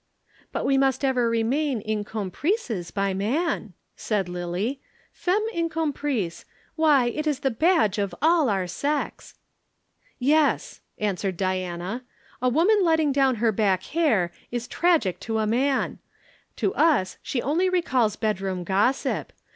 "But we must ever remain incomprises by man," said Lillie. "Femme incomprise why, it is the badge of all our sex." "Yes," answered Diana. "A woman letting down her back hair is tragic to a man; to us she only recalls bedroom gossip.